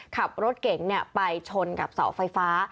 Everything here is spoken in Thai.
ขับรถเก๋งไปชนกับเสาไฟฟ้า